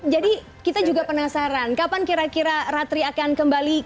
jadi kita juga penasaran kapan kira kira ratri akan kembali ke